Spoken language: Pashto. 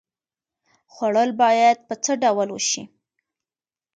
خوړل باید په څه ډول وشي؟